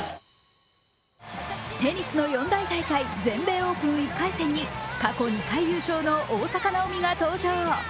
テニスの四大大会全米オープン１回戦に過去２回優勝の大坂なおみが登場。